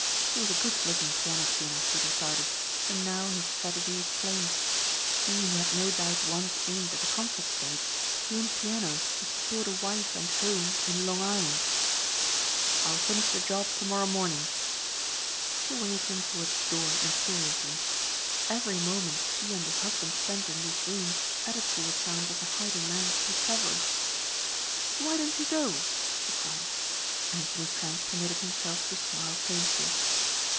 He was a good looking piano tuner, she decided, and now his tragedy was plain. He who had no doubt once aimed at the concert stage tuned pianos to support a wife and home in Long Island! "I'll finish the job to morrow morning." She waved him toward the door imperiously. Every moment she and her husband spent in this room added to the chance of the hiding man's discovery. "Why don't you go?" she cried. Anthony Trent permitted himself to smile faintly.